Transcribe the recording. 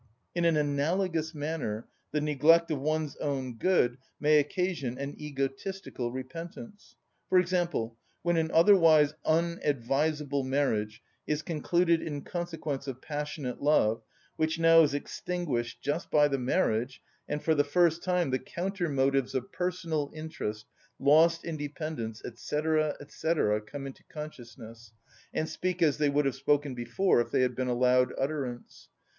In an analogous manner, the neglect of one's own good may occasion an egotistical repentance. For example, when an otherwise unadvisable marriage is concluded in consequence of passionate love, which now is extinguished just by the marriage, and for the first time the counter‐motives of personal interest, lost independence, &c., &c., come into consciousness, and speak as they would have spoken before if they had been allowed utterance.